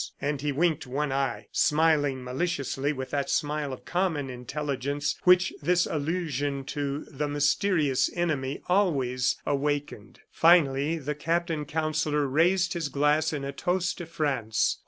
And he winked one eye, smiling maliciously with that smile of common intelligence which this allusion to the mysterious enemy always awakened. Finally the Captain Counsellor raised his glass in a toast to France.